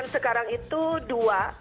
sekarang itu dua dua pilihan